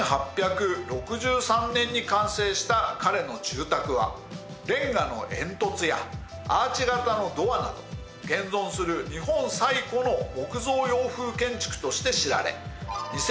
１８６３年に完成した彼の住宅はれんがの煙突やアーチ形のドアなど現存する日本最古の木造洋風建築として知られ。